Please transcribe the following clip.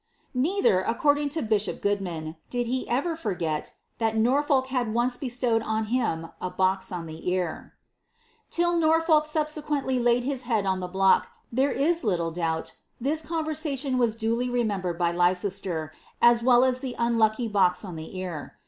'^ Neither, according to bishop Goodman, did he erer forget that Norfolk had once bestowed on him a box on the ear. Till Norfolk subsequently laid his head on the block, there is liitlc doabt this conversation was duly remembered by Leicester, as well as the unlucky box on the ear.